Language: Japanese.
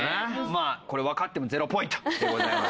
まあこれわかっても０ポイントでございます。